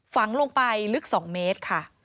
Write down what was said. ฝังลงไปลึก๒เมตรค่ะ